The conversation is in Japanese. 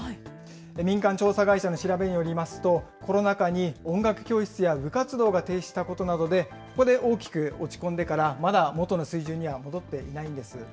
民間調査会社の調べによりますと、コロナ禍に音楽教室や部活動が停止したことなどで、ここで大きく落ち込んでから、まだ元の水準には戻っていないんです。